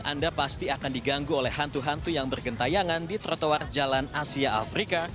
anda pasti akan diganggu oleh hantu hantu yang bergentayangan di trotoar jalan asia afrika